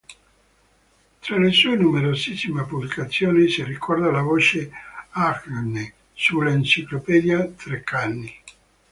Tra le sue numerosissime pubblicazioni si ricorda la voce “Alghe” sull'Enciclopedia Treccani.